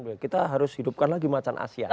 kita harus hidupkan lagi macan asia